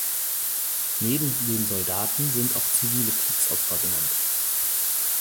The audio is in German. Neben den Soldaten sind auch zivile Kriegsopfer genannt.